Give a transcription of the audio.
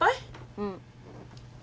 うん。